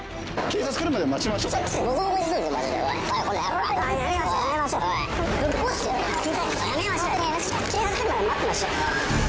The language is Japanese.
警察来るまで待ってましょう。